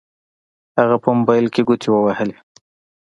هغه په موبايل کې ګوتې ووهلې.